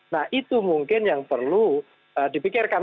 nah itu mungkin yang perlu dipikirkan